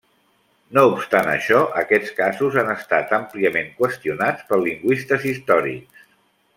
No obstant això, aquests casos han estat àmpliament qüestionats pels lingüistes històrics.